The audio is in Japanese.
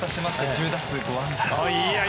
１０打数５安打。